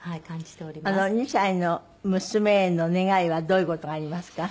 ２歳の娘への願いはどういう事がありますか？